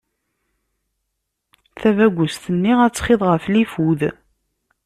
Tabagust-nni, ad txiḍ ɣef lifud.